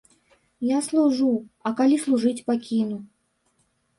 Я служу, а калі служыць пакіну?